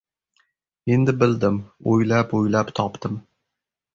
Endi bildim, o‘ylab-o‘ylab topdim.